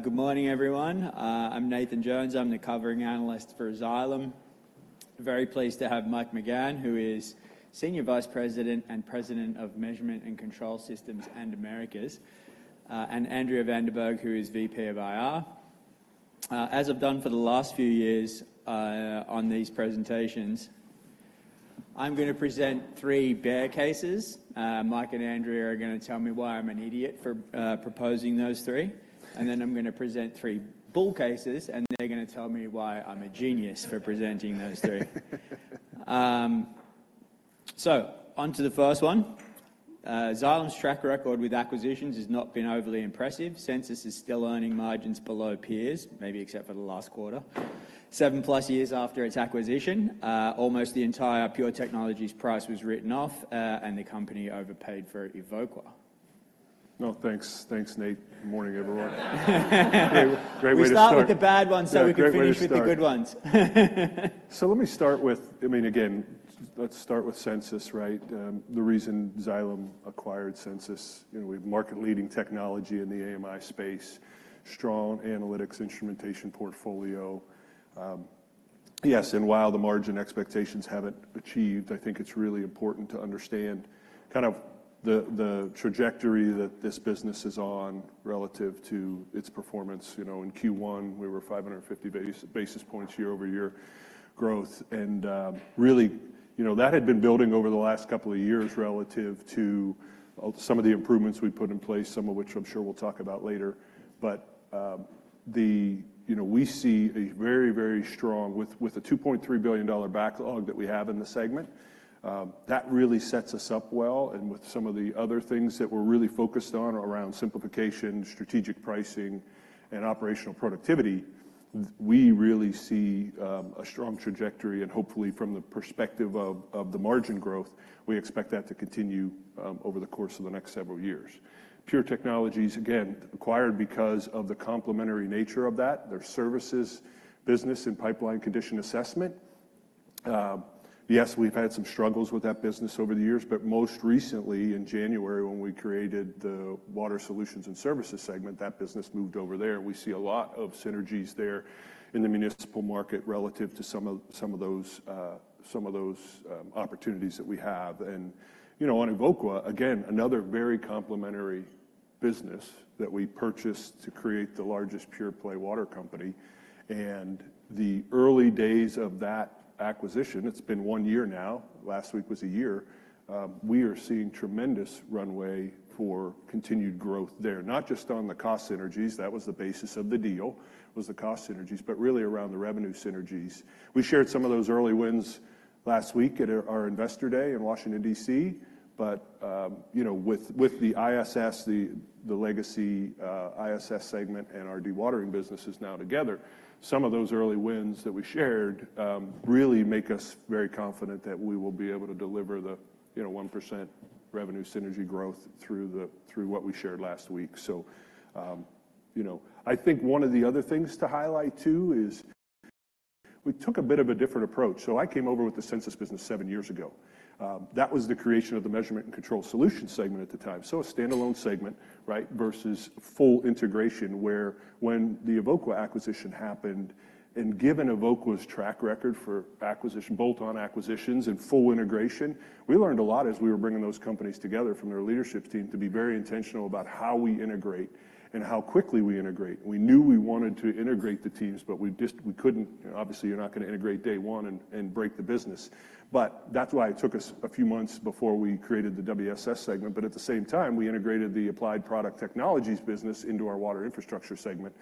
All right. Good morning, everyone. I'm Nathan Jones. I'm the covering analyst for Xylem. Very pleased to have Mike McGann, who is Senior Vice President and President of Measurement & Control Solutions and Americas, and Andrea van der Berg, who is VP of IR. As I've done for the last few years, on these presentations, I'm gonna present three bear cases. Mike and Andrea are gonna tell me why I'm an idiot for proposing those three. Then I'm gonna present three bull cases, and they're gonna tell me why I'm a genius for presenting those three. So onto the first one, Xylem's track record with acquisitions has not been overly impressive. Sensus is still earning margins below peers, maybe except for the last quarter, 7+ years after its acquisition. Almost the entire Pure Technologies' price was written off, and the company overpaid for Evoqua. Well, thanks. Thanks, Nate. Morning, everyone. Great, great way to start. We start with the bad ones- Yeah, great way to start.... so we can finish with the good ones. So let me start with, I mean, again, let's start with Sensus, right? The reason Xylem acquired Sensus, you know, we have market-leading technology in the AMI space, strong analytics, instrumentation portfolio. Yes, and while the margin expectations haven't achieved, I think it's really important to understand kind of the trajectory that this business is on relative to its performance. You know, in Q1, we were 550 basis points year-over-year growth. And, really, you know, that had been building over the last couple of years relative to some of the improvements we put in place, some of which I'm sure we'll talk about later. But, the... You know, we see a very strong with a $2.3 billion backlog that we have in the segment, that really sets us up well. And with some of the other things that we're really focused on around simplification, strategic pricing, and operational productivity, we really see a strong trajectory. Hopefully, from the perspective of, of the margin growth, we expect that to continue over the course of the next several years. Pure Technologies, again, acquired because of the complementary nature of that, their services, business, and pipeline condition assessment. Yes, we've had some struggles with that business over the years, but most recently in January, when we created the Water Solutions and Services segment, that business moved over there. We see a lot of synergies there in the municipal market relative to some of those opportunities that we have. You know, on Evoqua, again, another very complementary business that we purchased to create the largest pure play water company, and the early days of that acquisition, it's been one year now. Last week was a year. We are seeing tremendous runway for continued growth there, not just on the cost synergies. That was the basis of the deal, was the cost synergies, but really around the revenue synergies. We shared some of those early wins last week at our Investor Day in Washington, D.C. But, you know, with the ISS, the legacy ISS segment and our dewatering business is now together. Some of those early wins that we shared really make us very confident that we will be able to deliver the, you know, 1% revenue synergy growth through what we shared last week. So, you know, I think one of the other things to highlight, too, is we took a bit of a different approach. So I came over with the Sensus business seven years ago. That was the creation of the Measurement and Control Solutions segment at the time. So a standalone segment, right? Versus full integration, where when the Evoqua acquisition happened, and given Evoqua's track record for acquisition, both on acquisitions and full integration, we learned a lot as we were bringing those companies together from their leadership team to be very intentional about how we integrate and how quickly we integrate. We knew we wanted to integrate the teams, but we just, we couldn't. Obviously, you're not gonna integrate day one and break the business. But that's why it took us a few months before we created the WSS segment, but at the same time, we integrated the Applied Product Technologies business into our water infrastructure segment,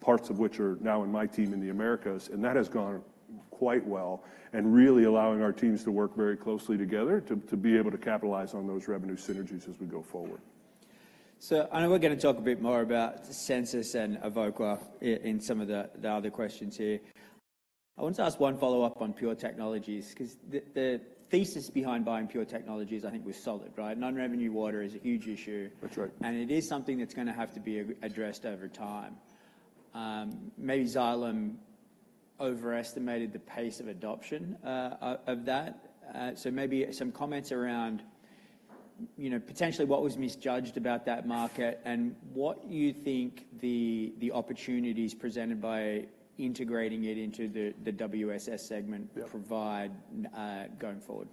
parts of which are now in my team in the Americas, and that has gone quite well, and really allowing our teams to work very closely together to, to be able to capitalize on those revenue synergies as we go forward. So I know we're gonna talk a bit more about Sensus and Evoqua in some of the, the other questions here. I want to ask one follow-up on Pure Technologies, 'cause the, the thesis behind buying Pure Technologies, I think was solid, right? Non-revenue water is a huge issue. That's right. It is something that's gonna have to be addressed over time. Maybe Xylem overestimated the pace of adoption of that. So maybe some comments around, you know, potentially what was misjudged about that market and what you think the opportunities presented by integrating it into the WSS segment- Yeah... provide, going forward.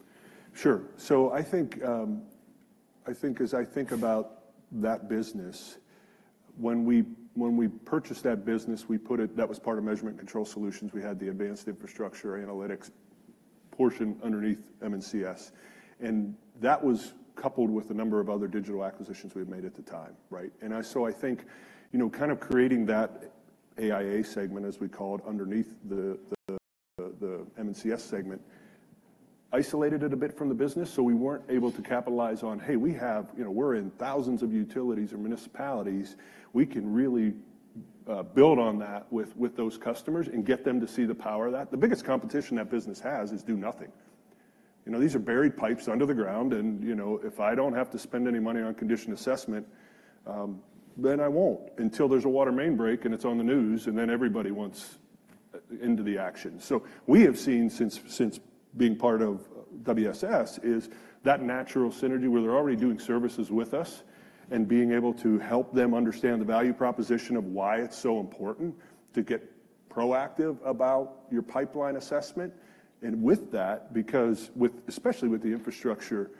Sure. So I think, I think as I think about that business, when we, when we purchased that business, we put it... That was part of Measurement & Control Solutions. We had the Advanced Infrastructure Analytics portion underneath M&CS, and that was coupled with a number of other digital acquisitions we had made at the time, right? And I, so I think, you know, kind of creating that AIA segment, as we call it, underneath the M&CS segment, isolated it a bit from the business, so we weren't able to capitalize on, Hey, we have, you know, we're in thousands of utilities or municipalities. We can really build on that with those customers and get them to see the power of that. The biggest competition that business has is do nothing. You know, these are buried pipes under the ground, and, you know, if I don't have to spend any money on condition assessment, then I won't. Until there's a water main break, and it's on the news, and then everybody wants into the action. So we have seen since being part of WSS, is that natural synergy where they're already doing services with us and being able to help them understand the value proposition of why it's so important to get proactive about your pipeline assessment. And with that, especially with the Infrastructure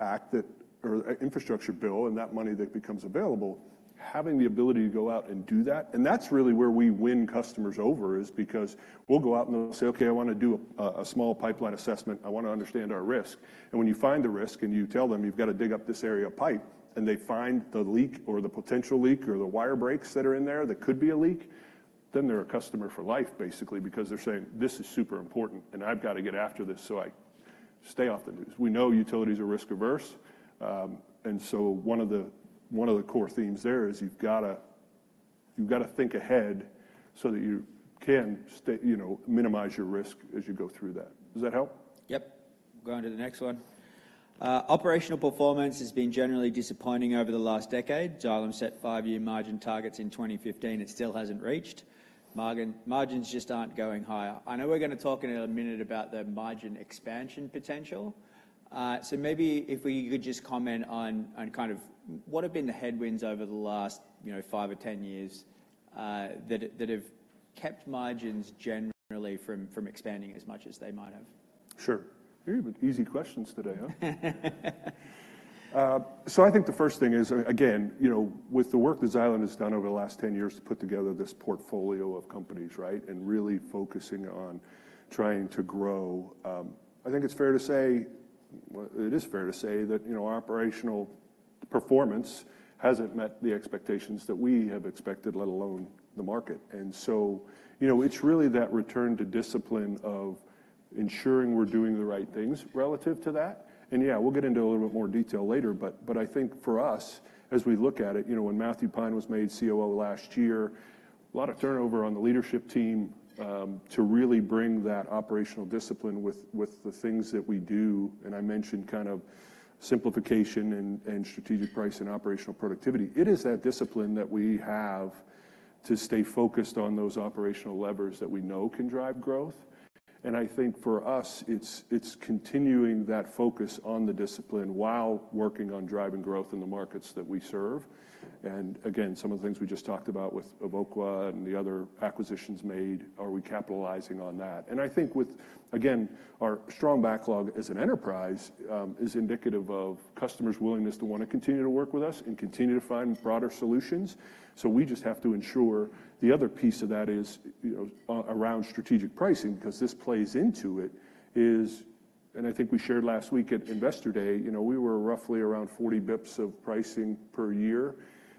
Act that, or Infrastructure Bill, and that money that becomes available, having the ability to go out and do that. And that's really where we win customers over, is because we'll go out, and they'll say: "Okay, I wanna do a small pipeline assessment. I wanna understand our risk." And when you find the risk, and you tell them, "You've got to dig up this area of pipe," and they find the leak or the potential leak or the wire breaks that are in there that could be a leak, then they're a customer for life, basically. Because they're saying, "This is super important, and I've got to get after this, so I stay off the news." We know utilities are risk-averse. And so one of the, one of the core themes there is you've got to, you've got to think ahead so that you can you know, minimize your risk as you go through that. Does that help? Yep. Going to the next one. Operational performance has been generally disappointing over the last decade. Xylem set five-year margin targets in 2015 it still hasn't reached. Margin, margins just aren't going higher. I know we're gonna talk in a minute about the margin expansion potential. So maybe if we could just comment on kind of what have been the headwinds over the last, you know, five or 10 years, that have kept margins generally from expanding as much as they might have? Sure. Very easy questions today, huh? So I think the first thing is, again, you know, with the work that Xylem has done over the last 10 years to put together this portfolio of companies, right? And really focusing on trying to grow. I think it's fair to say, well, it is fair to say that, you know, operational performance hasn't met the expectations that we have expected, let alone the market. And so, you know, it's really that return to discipline of ensuring we're doing the right things relative to that. And, yeah, we'll get into a little bit more detail later, but I think for us, as we look at it, you know, when Matthew Pine was made COO last year, a lot of turnover on the leadership team, to really bring that operational discipline with the things that we do. I mentioned kind of simplification and strategic price and operational productivity. It is that discipline that we have to stay focused on those operational levers that we know can drive growth. I think for us, it's continuing that focus on the discipline while working on driving growth in the markets that we serve. Again, some of the things we just talked about with Evoqua and the other acquisitions made, are we capitalizing on that? I think with, again, our strong backlog as an enterprise is indicative of customers' willingness to want to continue to work with us and continue to find broader solutions. So we just have to ensure the other piece of that is, you know, around strategic pricing, 'cause this plays into it, is... I think we shared last week at Investor Day, you know, we were roughly around 40 bps of pricing per year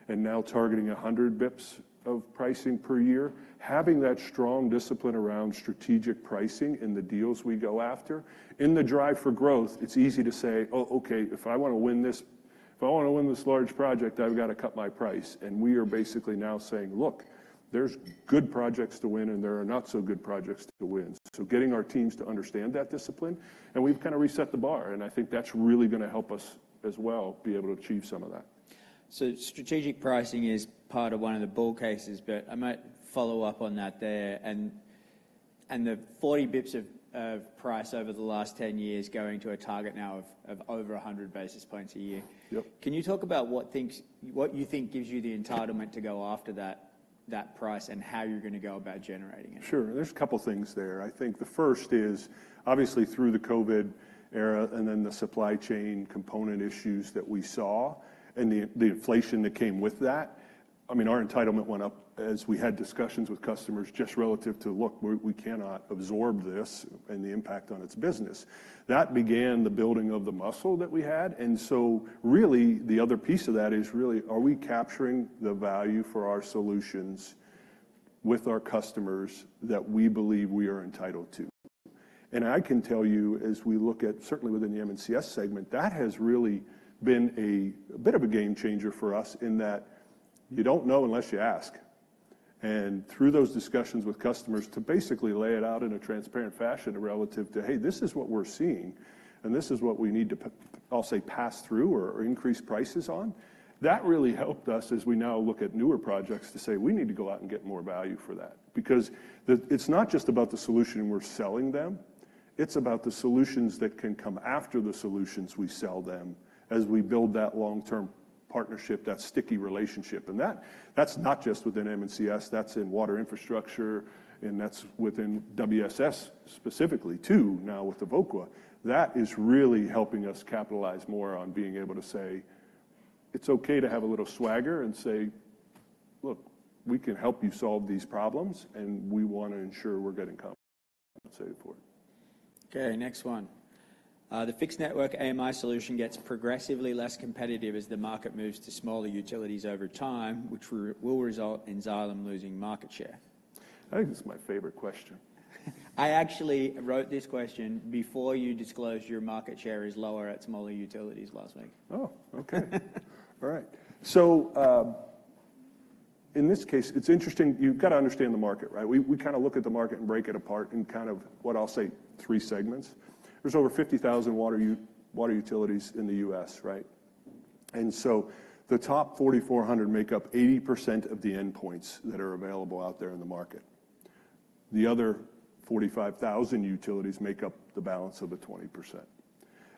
and now targeting 100 bps of pricing per year. Having that strong discipline around strategic pricing in the deals we go after, in the drive for growth, it's easy to say: "Oh, okay, if I wanna win this, if I wanna win this large project, I've got to cut my price." And we are basically now saying: "Look, there's good projects to win, and there are not-so-good projects to win." So getting our teams to understand that discipline, and we've kind of reset the bar, and I think that's really gonna help us as well, be able to achieve some of that. So strategic pricing is part of one of the bull cases, but I might follow up on that there. And the 40 basis points of price over the last 10 years, going to a target now of over 100 basis points a year. Yep. Can you talk about what you think gives you the entitlement to go after that price and how you're gonna go about generating it? Sure. There's a couple things there. I think the first is obviously through the COVID era and then the supply chain component issues that we saw and the inflation that came with that. I mean, our entitlement went up as we had discussions with customers just relative to, "Look, we cannot absorb this," and the impact on its business. That began the building of the muscle that we had, and so really, the other piece of that is really, are we capturing the value for our solutions with our customers that we believe we are entitled to? And I can tell you, as we look at, certainly within the M&CS segment, that has really been a bit of a game changer for us in that you don't know unless you ask. Through those discussions with customers to basically lay it out in a transparent fashion relative to, "Hey, this is what we're seeing, and this is what we need to pass through or increase prices on." That really helped us as we now look at newer projects to say, "We need to go out and get more value for that." Because it's not just about the solution we're selling them, it's about the solutions that can come after the solutions we sell them as we build that long-term partnership, that sticky relationship. That's not just within M&CS, that's in Water Infrastructure, and that's within WSS specifically, too, now with Evoqua. That is really helping us capitalize more on being able to say, "It's okay to have a little swagger," and say, "Look, we can help you solve these problems, and we want to ensure we're getting compensated for it. Okay, next one. The fixed network AMI solution gets progressively less competitive as the market moves to smaller utilities over time, which will result in Xylem losing market share. I think this is my favorite question. I actually wrote this question before you disclosed your market share is lower at smaller utilities last week. Oh, okay. All right. So, in this case, it's interesting. You've got to understand the market, right? We kind of look at the market and break it apart in kind of what I'll say, three segments. There's over 50,000 water utilities in the U.S., right? And so the top 4,400 make up 80% of the endpoints that are available out there in the market. The other 45,000 utilities make up the balance of the 20%.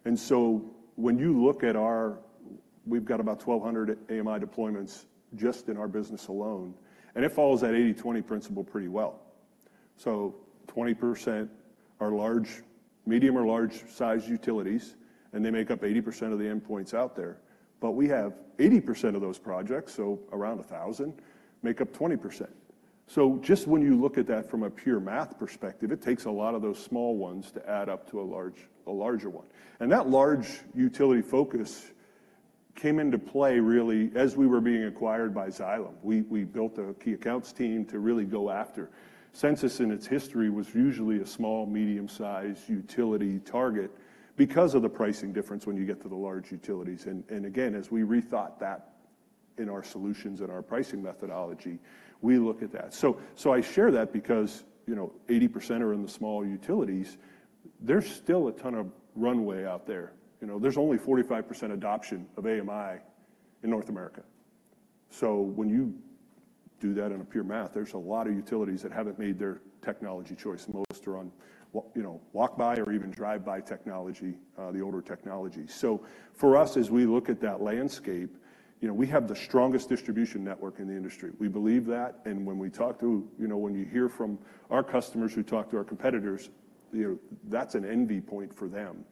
And so when you look at our—we've got about 1,200 AMI deployments just in our business alone, and it follows that 80/20 principle pretty well. So 20% are large, medium or large-size utilities, and they make up 80% of the endpoints out there. But we have 80% of those projects, so around 1,000, make up 20%. So just when you look at that from a pure math perspective, it takes a lot of those small ones to add up to a large, a larger one. That large utility focus came into play really as we were being acquired by Xylem. We built a key accounts team to really go after. Sensus in its history was usually a small, medium-size utility target because of the pricing difference when you get to the large utilities. And again, as we rethought that in our solutions and our pricing methodology, we look at that. So I share that because, you know, 80% are in the smaller utilities. There's still a turn of runway out there. You know, there's only 45% adoption of AMI in North America. So when you do that in a pure math, there's a lot of utilities that haven't made their technology choice. Most are on wa- you know, walk by or even drive-by technology, the older technology. So for us, as we look at that landscape, you know, we have the strongest distribution network in the industry. We believe that, and when we talk to, you know, when you hear from our customers who talk to our competitors, you know, that's an envy point for them.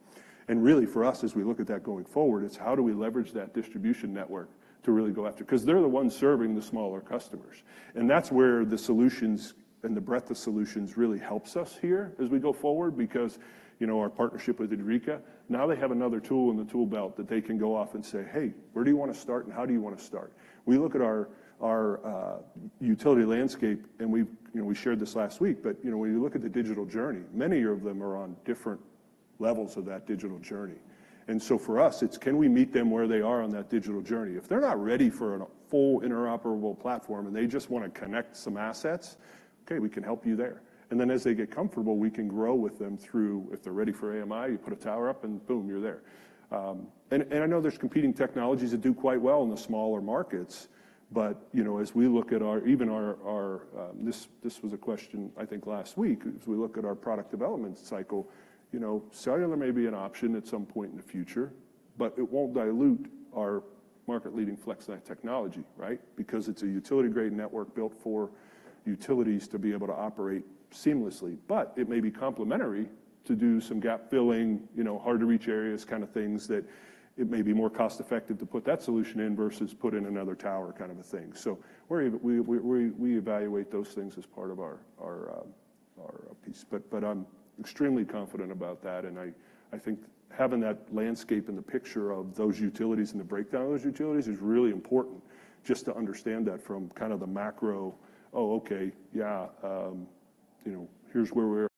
And really for us, as we look at that going forward, it's how do we leverage that distribution network to really go after? Because they're the ones serving the smaller customers, and that's where the solutions and the breadth of solutions really helps us here as we go forward, because, you know, our partnership with Idrica, now they have another tool in the tool belt that they can go off and say, "Hey, where do you want to start, and how do you want to start?" We look at our utility landscape, and we've... You know, we shared this last week, but, you know, when you look at the digital journey, many of them are on different levels of that digital journey. And so for us, it's can we meet them where they are on that digital journey? If they're not ready for a full interoperable platform, and they just wanna connect some assets, okay, we can help you there. Then as they get comfortable, we can grow with them through, if they're ready for AMI, you put a tower up, and boom, you're there. And I know there's competing technologies that do quite well in the smaller markets, but, you know, as we look at our, even our... This, this was a question, I think, last week. As we look at our product development cycle, you know, cellular may be an option at some point in the future, but it won't dilute our market-leading FlexNet technology, right? Because it's a utility-grade network built for utilities to be able to operate seamlessly. But it may be complementary to do some gap filling, you know, hard-to-reach areas, kind of things that it may be more cost-effective to put that solution in versus put in another tower, kind of a thing. So we're, we evaluate those things as part of our piece. But I'm extremely confident about that, and I think having that landscape and the picture of those utilities and the breakdown of those utilities is really important, just to understand that from kind of the macro, "Oh, okay, yeah, you know, here's where we're at.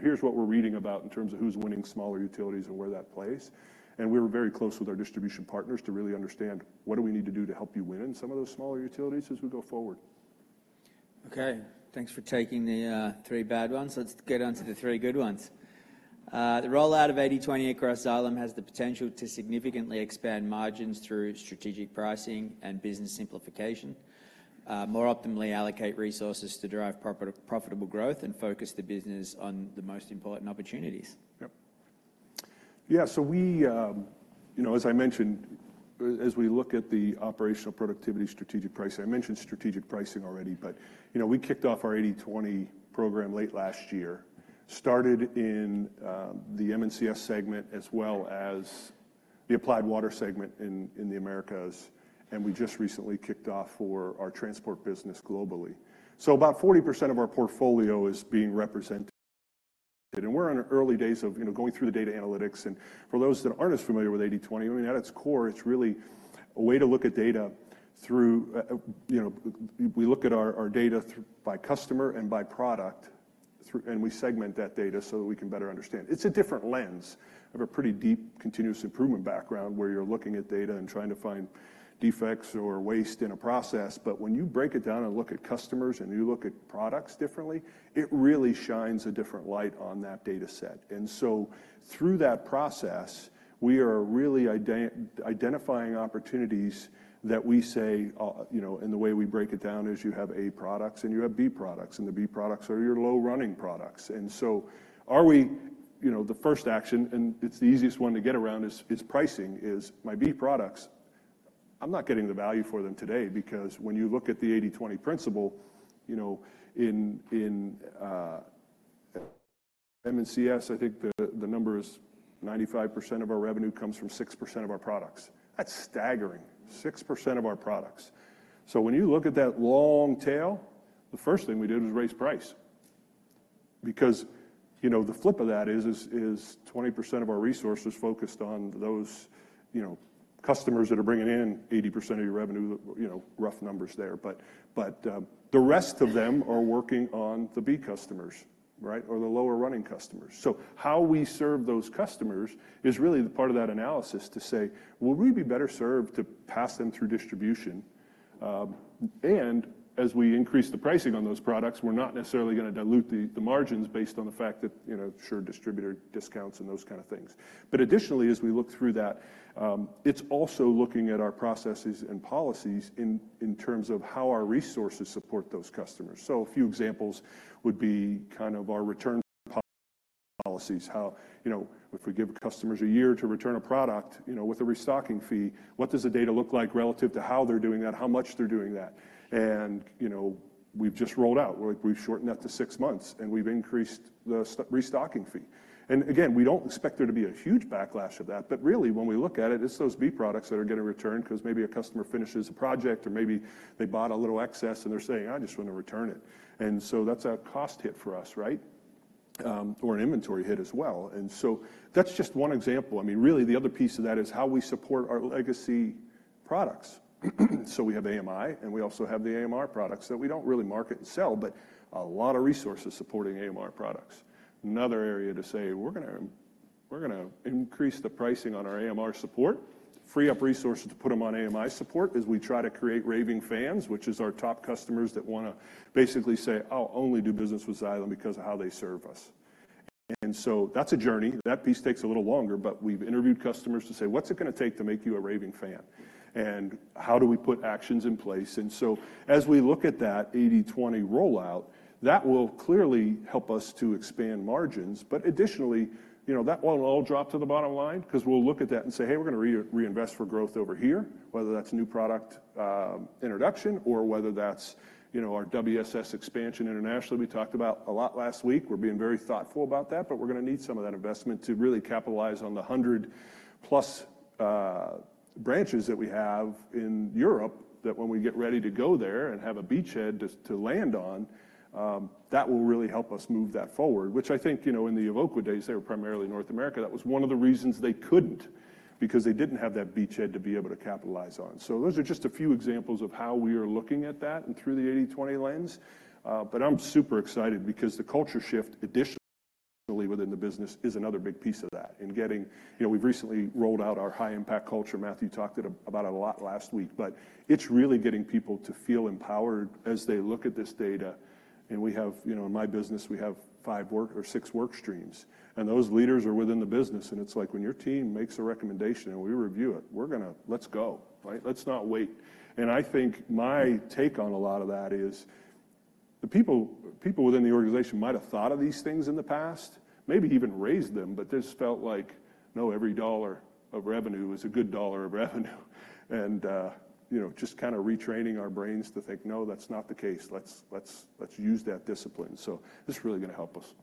Here's what we're reading about in terms of who's winning smaller utilities and where that plays." And we're very close with our distribution partners to really understand, what do we need to do to help you win in some of those smaller utilities as we go forward? Okay, thanks for taking the three bad ones. Let's get on to the three good ones. The rollout of 80/20 across Xylem has the potential to significantly expand margins through strategic pricing and business simplification, more optimally allocate resources to drive profitable growth, and focus the business on the most important opportunities. Yep. Yeah, so we, you know, as I mentioned, as we look at the operational productivity, strategic pricing, I mentioned strategic pricing already, but, you know, we kicked off our 80/20 program late last year. Started in, the M&CS segment, as well as the Applied Water segment in, in the Americas, and we just recently kicked off for our transport business globally. So about 40% of our portfolio is being represented, and we're on the early days of, you know, going through the data analytics. And for those that aren't as familiar with 80/20, I mean, at its core, it's really a way to look at data through, you know. We look at our, our data through by customer and by product, through- and we segment that data so that we can better understand. It's a different lens. I have a pretty deep continuous improvement background, where you're looking at data and trying to find defects or waste in a process. But when you break it down and look at customers, and you look at products differently, it really shines a different light on that data set. And so through that process, we are really identifying opportunities that we say, you know, and the way we break it down is you have A products, and you have B products, and the B products are your low running products. And so you know, the first action, and it's the easiest one to get around, is pricing my B products. I'm not getting the value for them today because when you look at the 80/20 principle, you know, in M&CS, I think the number is 95% of our revenue comes from 6% of our products. That's staggering. Six percent of our products. So when you look at that long tail, the first thing we did is raise price. Because, you know, the flip of that is twenty percent of our resources focused on those, you know, customers that are bringing in 80% of your revenue, you know, rough numbers there. But the rest of them are working on the B customers, right? Or the lower running customers. So how we serve those customers is really the part of that analysis to say, "Will we be better served to pass them through distribution?"... And as we increase the pricing on those products, we're not necessarily gonna dilute the margins based on the fact that, you know, sure, distributor discounts and those kind of things. But additionally, as we look through that, it's also looking at our processes and policies in terms of how our resources support those customers. So a few examples would be kind of our return policies, how, you know, if we give customers a year to return a product, you know, with a restocking fee, what does the data look like relative to how they're doing that, how much they're doing that? And, you know, we've just rolled out, like, we've shortened that to six months, and we've increased the restocking fee. And again, we don't expect there to be a huge backlash of that. But really, when we look at it, it's those B products that are getting returned 'cause maybe a customer finishes a project, or maybe they bought a little excess, and they're saying, "I just wanna return it." And so that's a cost hit for us, right? Or an inventory hit as well. And so that's just one example. I mean, really the other piece of that is how we support our legacy products. So we have AMI, and we also have the AMR products that we don't really market and sell, but a lot of resources supporting AMR products. Another area to say, we're gonna increase the pricing on our AMR support, free up resources to put 'em on AMI support as we try to create raving fans, which is our top customers that wanna basically say, "I'll only do business with Xylem because of how they serve us." And so that's a journey. That piece takes a little longer, but we've interviewed customers to say: What's it gonna take to make you a raving fan? And how do we put actions in place? And so as we look at that 80/20 rollout, that will clearly help us to expand margins. But additionally, you know, that won't all drop to the bottom line 'cause we'll look at that and say, "Hey, we're gonna reinvest for growth over here," whether that's new product introduction or whether that's, you know, our WSS expansion internationally, we talked about a lot last week. We're being very thoughtful about that, but we're gonna need some of that investment to really capitalize on the 100+ branches that we have in Europe, that when we get ready to go there and have a beachhead to land on, that will really help us move that forward, which I think, you know, in the Evoqua days, they were primarily North America. That was one of the reasons they couldn't, because they didn't have that beachhead to be able to capitalize on. So those are just a few examples of how we are looking at that and through the 80/20 lens. But I'm super excited because the culture shift additionally within the business is another big piece of that. And getting... You know, we've recently rolled out our high-impact culture. Matthew talked about it a lot last week, but it's really getting people to feel empowered as they look at this data. And we have, you know, in my business, we have five or six work streams, and those leaders are within the business. And it's like when your team makes a recommendation and we review it, we're gonna... Let's go, right? Let's not wait. And I think my take on a lot of that is the people, people within the organization might have thought of these things in the past, maybe even raised them, but just felt like, "No, every dollar of revenue is a good dollar of revenue." And, you know, just kinda retraining our brains to think, "No, that's not the case. Let's, let's, let's use that discipline." So this is really gonna help us.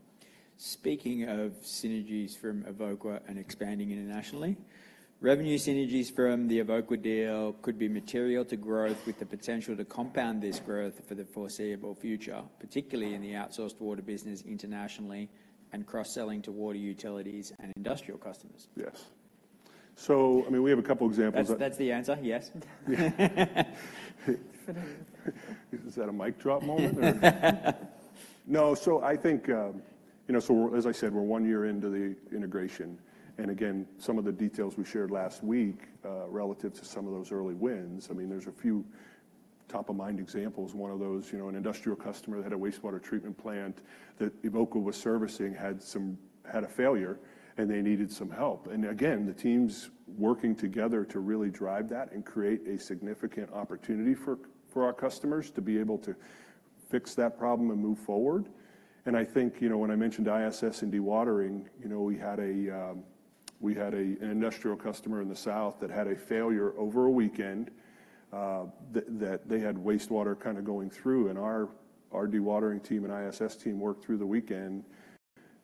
Speaking of synergies from Evoqua and expanding internationally, revenue synergies from the Evoqua deal could be material to growth with the potential to compound this growth for the foreseeable future, particularly in the outsourced water business internationally and cross-selling to water utilities and industrial customers. Yes. So, I mean, we have a couple examples of- That's, that's the answer, yes. Is that a mic drop moment or...? No, so I think, you know, so as I said, we're one year into the integration, and again, some of the details we shared last week, relative to some of those early wins, I mean, there's a few top-of-mind examples. One of those, you know, an industrial customer that had a wastewater treatment plant that Evoqua was servicing, had a failure, and they needed some help. And again, the teams working together to really drive that and create a significant opportunity for our customers to be able to fix that problem and move forward. And I think, you know, when I mentioned ISS and dewatering, you know, we had an industrial customer in the south that had a failure over a weekend, that they had wastewater kinda going through. Our, our dewatering team and ISS team worked through the weekend.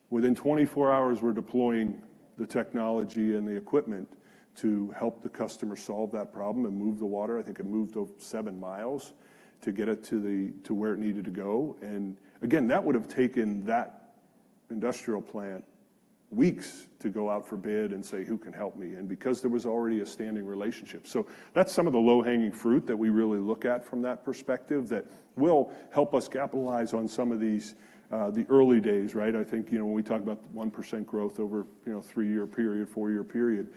Within 24 hours, we're deploying the technology and the equipment to help the customer solve that problem and move the water. I think it moved over 7 miles to get it to the, to where it needed to go. And again, that would have taken that industrial plant weeks to go out for bid and say, "Who can help me?" And because there was already a standing relationship. So that's some of the low-hanging fruit that we really look at from that perspective, that will help us capitalize on some of these, the early days, right? I think, you know, when we talk about the 1% growth over, you know, three-year period, four-year period,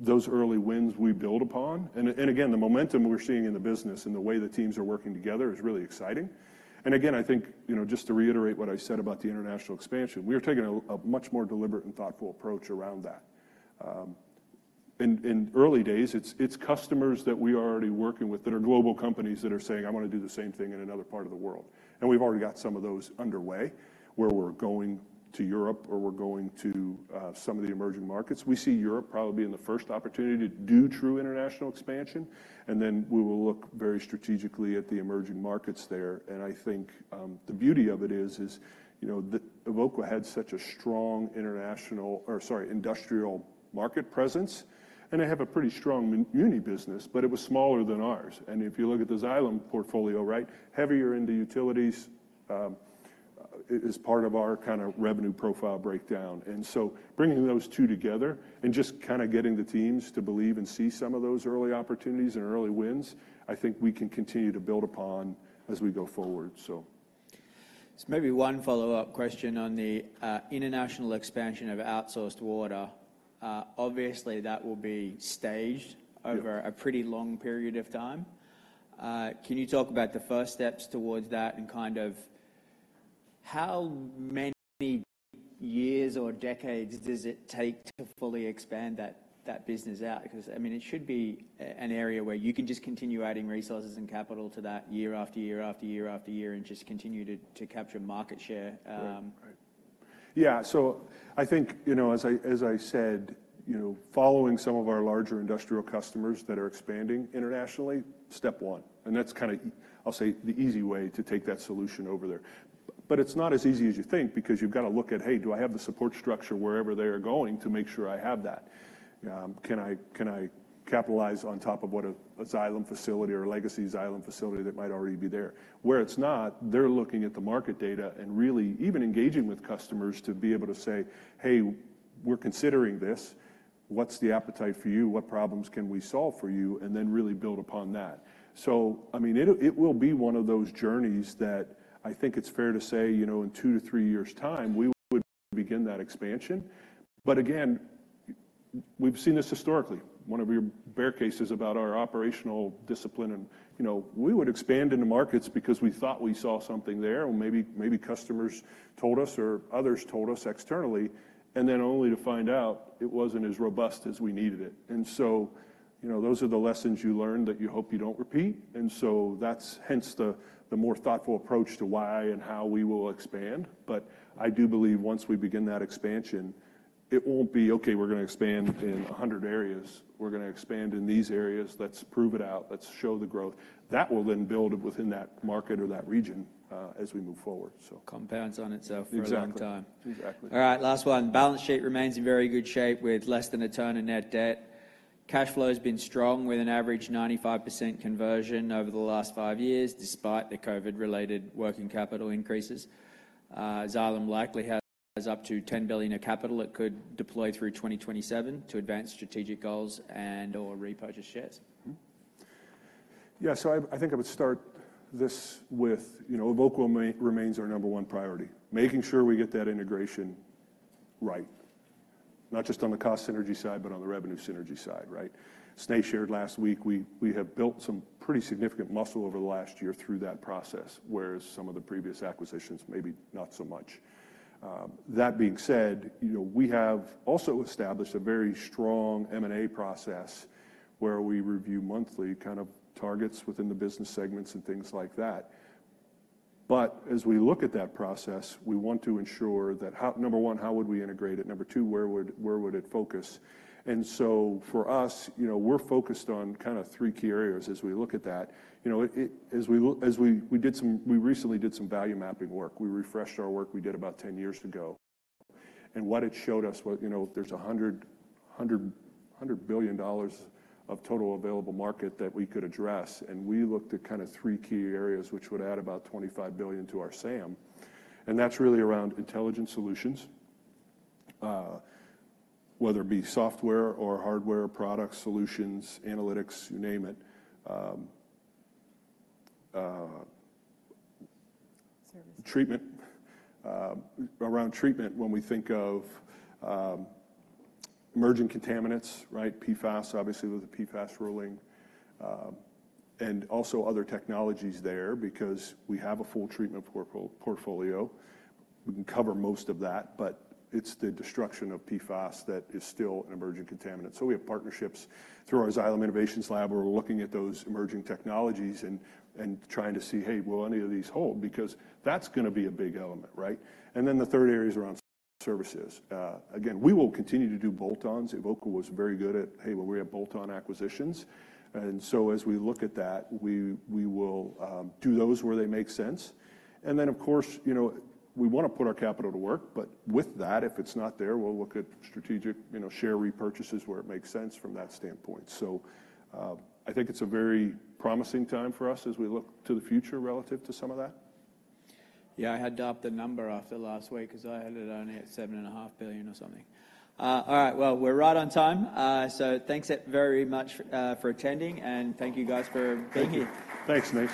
those early wins we build upon. And again, the momentum we're seeing in the business and the way the teams are working together is really exciting. And again, I think, you know, just to reiterate what I said about the international expansion, we are taking a much more deliberate and thoughtful approach around that. In early days, it's customers that we are already working with, that are global companies that are saying, "I wanna do the same thing in another part of the world." And we've already got some of those underway, where we're going to Europe or we're going to some of the emerging markets. We see Europe probably being the first opportunity to do true international expansion, and then we will look very strategically at the emerging markets there. I think the beauty of it is, you know, that Evoqua had such a strong international, or sorry, industrial market presence, and they have a pretty strong muni business, but it was smaller than ours. If you look at the Xylem portfolio, right, heavier into utilities, as part of our kinda revenue profile breakdown. So bringing those two together and just kinda getting the teams to believe and see some of those early opportunities and early wins, I think we can continue to build upon as we go forward. So...... So maybe one follow-up question on the international expansion of outsourced water. Obviously, that will be staged- Yep. over a pretty long period of time. Can you talk about the first steps towards that and kind of how many years or decades does it take to fully expand that, that business out? Because, I mean, it should be a, an area where you can just continue adding resources and capital to that year after year after year after year and just continue to, to capture market share, Right, right. Yeah, so I think, you know, as I said, you know, following some of our larger industrial customers that are expanding internationally, step one, and that's kinda, I'll say, the easy way to take that solution over there. But it's not as easy as you think because you've gotta look at, hey, do I have the support structure wherever they're going to make sure I have that? Can I capitalize on top of what a Xylem facility or a legacy Xylem facility that might already be there? Where it's not, they're looking at the market data and really even engaging with customers to be able to say, "Hey, we're considering this. What's the appetite for you? What problems can we solve for you?" And then really build upon that. So, I mean, it'll, it will be one of those journeys that I think it's fair to say, you know, in two to three years' time, we would begin that expansion. But again, we've seen this historically. One of your bear cases about our operational discipline, and, you know, we would expand into markets because we thought we saw something there, or maybe, maybe customers told us or others told us externally, and then only to find out it wasn't as robust as we needed it. And so, you know, those are the lessons you learned that you hope you don't repeat, and so that's hence the, the more thoughtful approach to why and how we will expand. But I do believe once we begin that expansion, it won't be, "Okay, we're gonna expand in 100 areas." We're gonna expand in these areas. Let's prove it out. Let's show the growth. That will then build within that market or that region, as we move forward, so. Compounds on itself for a long time. Exactly. Exactly. All right, last one. Balance sheet remains in very good shape with less than a turn of net debt. Cash flow has been strong, with an average 95% conversion over the last five years, despite the COVID-related working capital increases. Xylem likely has up to $10 billion in capital it could deploy through 2027 to advance strategic goals and/or repurchase shares. Mm-hmm. Yeah, so I think I would start this with, you know, Evoqua remains our number one priority, making sure we get that integration right, not just on the cost synergy side, but on the revenue synergy side, right? Snehal shared last week, we have built some pretty significant muscle over the last year through that process, whereas some of the previous acquisitions, maybe not so much. That being said, you know, we have also established a very strong M&A process where we review monthly kind of targets within the business segments and things like that. But as we look at that process, we want to ensure that number one, how would we integrate it? Number two, where would it focus? And so for us, you know, we're focused on kinda three key areas as we look at that. You know, it, as we look, we did some—we recently did some value mapping work. We refreshed our work we did about 10 years ago, and what it showed us was, you know, there's $100 billion of total available market that we could address, and we looked at kinda 3 key areas, which would add about $25 billion to our SAM, and that's really around intelligent solutions, whether it be software or hardware, product solutions, analytics, you name it. Services. Treatment. Around treatment, when we think of emerging contaminants, right? PFAS, obviously, with the PFAS ruling, and also other technologies there because we have a full treatment portfolio. We can cover most of that, but it's the destruction of PFAS that is still an emerging contaminant. So we have partnerships through our Xylem Innovation Labs where we're looking at those emerging technologies and trying to see, hey, will any of these hold? Because that's gonna be a big element, right? And then the third area is around services. Again, we will continue to do bolt-ons. Evoqua was very good at, "Hey, well, we have bolt-on acquisitions." And so as we look at that, we will do those where they make sense. And then, of course, you know, we wanna put our capital to work, but with that, if it's not there, we'll look at strategic, you know, share repurchases where it makes sense from that standpoint. So, I think it's a very promising time for us as we look to the future relative to some of that. Yeah, I had to up the number after last week 'cause I had it only at $7.5 billion or something. All right, well, we're right on time, so thanks very much for attending, and thank you guys for being here. Thank you. Thanks, Nate.